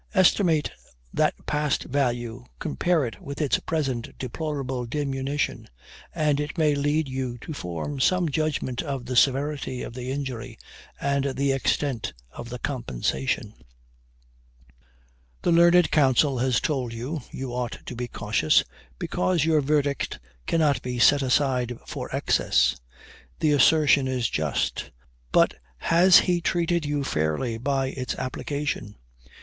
Estimate that past value compare it with its present deplorable diminution and it may lead you to form some judgment of the severity of the injury, and the extent of the compensation. "The learned counsel has told you, you ought to be cautious, because your verdict cannot be set aside for excess. The assertion is just; but has he treated you fairly by its application?